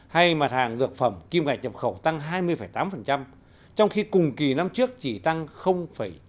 hay mặt hàng dược phẩm kim ngạch nhập khẩu tăng hai mươi tám trong khi cùng kỳ năm trước chỉ tăng chín